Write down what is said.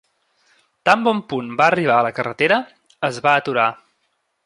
Tan bon punt va arribar a la carretera, es va aturar.